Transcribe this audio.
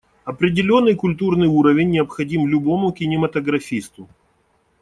Определенный культурный уровень необходим любому кинематографисту.